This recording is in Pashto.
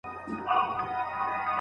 کړکۍ څخه ډبره چاڼ کړه.